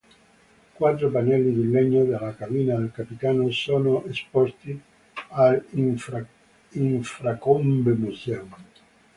Quattro pannelli di legno della cabina del capitano sono esposti all'Ilfracombe museum.